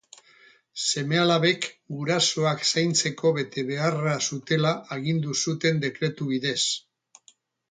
seme-alabek gurasoak zaintzeko betebeharra zutela agindu zuten dekretu bidez.